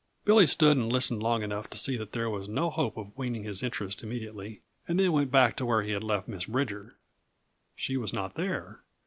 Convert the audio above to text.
Billy stood and listened long enough to see that there was no hope of weaning his interest immediately, and then went back to where he had left Miss Bridger. She was not there.